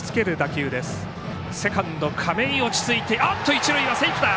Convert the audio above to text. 一塁はセーフ。